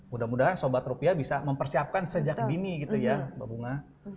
mudah mudahan sobat rupiah bisa mempersiapkan sejak dini gitu ya mbak bunga